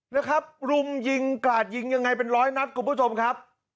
นะครับรุมยิงกราดยิงยังไงเป็นร้อยนัดคุณผู้ชมครับ